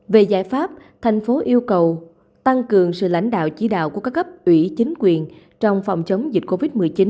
về giải pháp thành phố yêu cầu tăng cường sự lãnh đạo chỉ đạo của các cấp ủy chính quyền trong phòng chống dịch covid một mươi chín